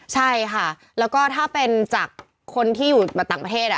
ใช่ค่ะแล้วก็ถ้าเป็นจากคนที่อยู่ต่างประเทศ